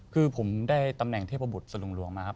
คือผมได้ตำแหน่งเทพบุตรสลุงหลวงมาครับ